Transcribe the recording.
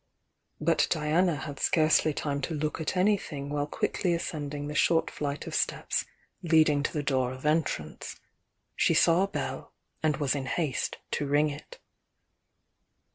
But Diana had scarcely time to look at anything while quickly ascending the short flight of steps leading to the door of entrance ; she saw a bell and was in haste to ring it.